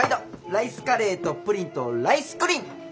ライスカレーとプリンとライスクリン！